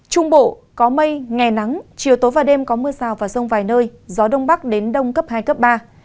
trung bộ có mây ngày nắng chiều tối và đêm có mưa rào và rông vài nơi gió đông bắc đến đông cấp hai cấp ba